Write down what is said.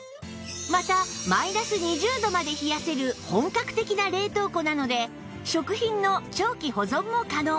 またマイナス２０度まで冷やせる本格的な冷凍庫なので食品の長期保存も可能